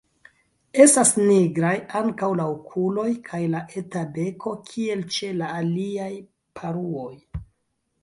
Estas nigraj ankaŭ la okuloj kaj la eta beko, kiel ĉe la aliaj paruoj.